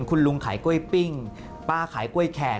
คุณลุงขายกล้วยปิ้งป้าขายกล้วยแขก